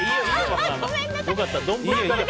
ごめんなさい！